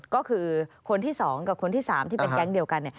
ก็คือคนที่๒กับคนที่๓ที่เป็นแก๊งเดียวกัน